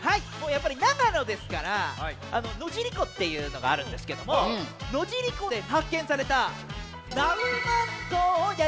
やっぱり長野ですから野尻湖っていうのがあるんですけども野尻湖ではっけんされたナウマンゾウをやりたいとおもいます。